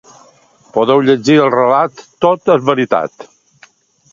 Podeu llegir el relat ‘Tot és veritat’.